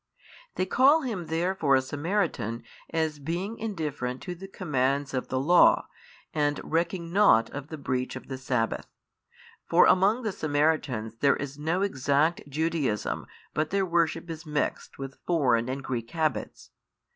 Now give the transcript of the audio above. They call Him therefore a Samaritan as being indifferent to the commands of the Law and recking nought of the breach of the Sabbath. For among the Samaritans there is no exact Judaism but their worship is mixed with foreign and Greek habits.